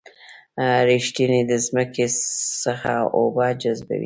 ریښې د ځمکې څخه اوبه جذبوي